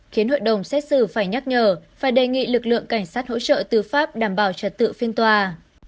khiến hội đồng xét xử phải nhắc nhở phải đề nghị lực lượng cảnh sát hỗ trợ tư pháp đảm bảo trật tự phiên tòa